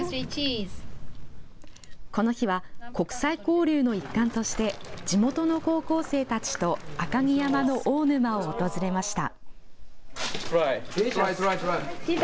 この日は国際交流の一環として地元の高校生たちと赤城山の大沼を訪れました。